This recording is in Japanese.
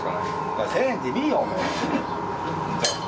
１０００円でいいよ、もう。